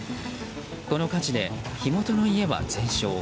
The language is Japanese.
この火事で火元の家は全焼。